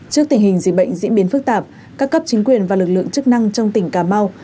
trước tình hình dịch bệnh diễn biến phức tạp các cấp chính quyền và lực lượng chức năng trong tỉnh cà mau